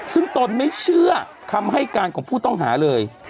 ซึ่งตนไม่เชื่อคำให้การของผู้ต้องหาเลย